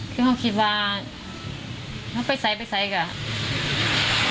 เขาคิดว่าตั้งแต่หลังให้ลวกมาพิสัยก่อน